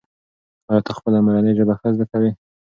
ایا ته خپله مورنۍ ژبه ښه زده کوې؟